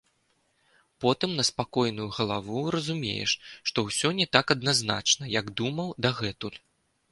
Потым на спакойную галаву разумееш, што ўсё не так адназначна, як думаў дагэтуль.